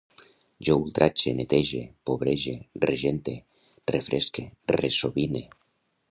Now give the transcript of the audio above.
Jo ultratge, netege, pobrege, regente, refresque, ressobine